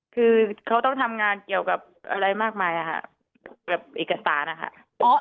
คือเขาต้องทำงานเกี่ยวกับอะไรมากมายค่ะแบบเอกสารนะคะ